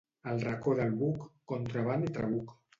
Al Racó del Buc, contraban i trabuc.